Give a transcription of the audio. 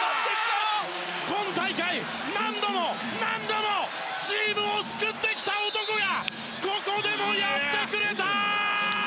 今大会、何度も何度もチームを救ってきた男がここでもやってくれた！